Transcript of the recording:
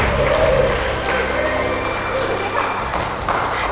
aku memang membutuhkannya sih